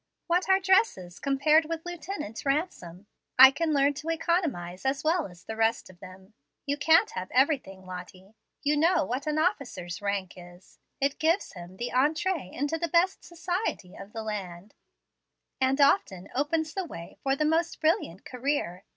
"What are dresses compared with Lieutenant Ransom? I can learn to economize as well as the rest of them. You can't have everything, Lottie. You know what an officer's rank is. It gives him the entree into the best society of the land, and often opens the way for the most brilliant career.